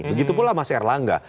begitupun lah mas erlangga